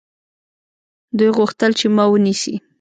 دوی غوښتل چې ما ونیسي.